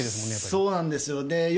そうなんですよ。